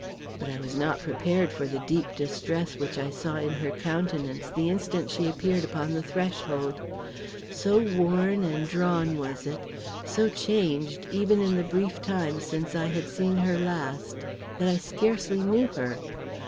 But I was not prepared for the deep distress which I saw in her countenance the instant she appeared upon the threshold. So worn and drawn was it, so changed even in the brief time since I had seen her last, that I scarcely knew her.